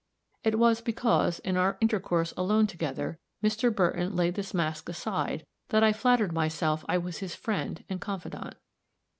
It was because, in our intercourse alone together, Mr. Burton laid this mask aside, that I flattered myself I was his friend and confidant.